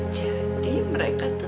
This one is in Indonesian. jadi mereka terburu